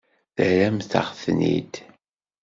Terramt-aɣ-ten-id.